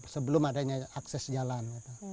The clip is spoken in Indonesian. sebelum adanya akses jalan